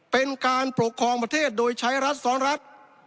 เป็นการปกครองประเทศโดยใช้รัฐซ้อนรัฐ